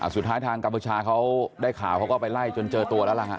ทางกัมพูชาเขาได้ข่าวเขาก็ไปไล่จนเจอตัวแล้วล่ะฮะ